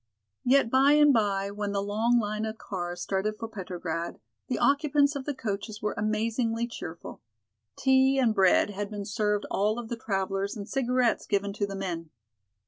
Yet by and by, when the long line of cars started for Petrograd, the occupants of the coaches were amazingly cheerful. Tea and bread had been served all of the travelers and cigarettes given to the men.